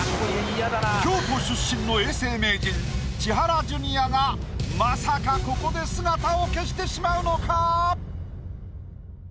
京都出身の永世名人千原ジュニアがまさかここで姿を消してしまうのか？